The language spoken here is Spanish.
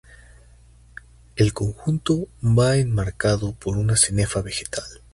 El conjunto va en marcado por una cenefa vegetal.